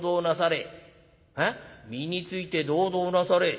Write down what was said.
「身について同道なされ」。